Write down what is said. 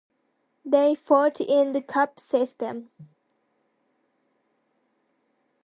They fought in the cup system.